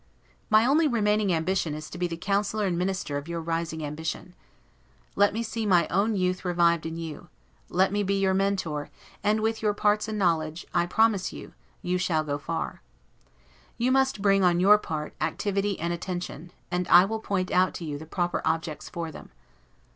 My only remaining ambition is to be the counsellor and minister of your rising ambition. Let me see my own youth revived in you; let me be your Mentor, and, with your parts and knowledge, I promise you, you shall go far. You must bring, on your part, activity and attention; and I will point out to you the proper objects for them.